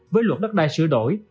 với luật đất đai sửa đổi